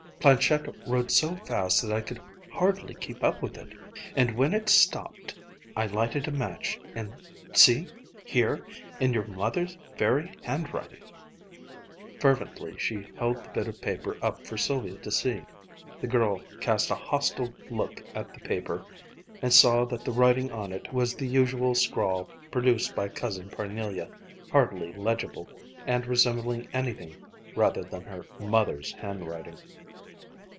Planchette wrote so fast that I could hardly keep up with it. And when it stopped, I lighted a match and see ... here ... in your mother's very handwriting" fervently she held the bit of paper up for Sylvia to see. The girl cast a hostile look at the paper and saw that the writing on it was the usual scrawl produced by Cousin Parnelia, hardly legible, and resembling anything rather than her mother's handwriting.